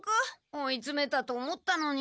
追いつめたと思ったのに。